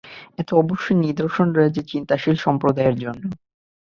এতে অবশ্যই নিদর্শন রয়েছে চিন্তাশীল সম্প্রদায়ের জন্য।